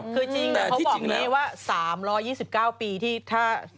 คือจริงแต่เขาบอกวันนี้ว่า๓๒๙ปีที่ถ้า